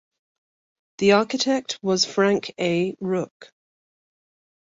The architect was Frank A. Rooke.